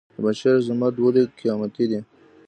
د پنجشیر زمرد ولې قیمتي دي؟